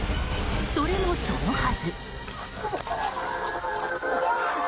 それも、そのはず。